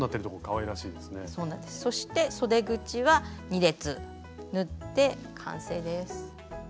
そしてそで口は２列縫って完成です。